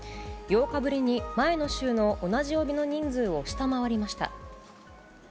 ８日ぶりに前の週の同じ曜日の人数を下回りました。